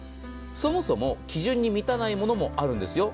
そもそも基準に満たないものもあるんですよ。